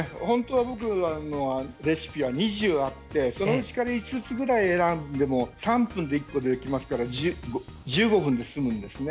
僕のレシピは２０あってそのうち５つぐらいを選んでも３分で１個できますから１５分で済むんですね。